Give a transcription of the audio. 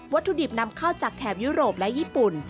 ถุดิบนำเข้าจากแถบยุโรปและญี่ปุ่น